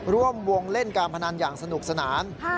ร่วมวงเล่นการพนันอย่างสนุกสนาน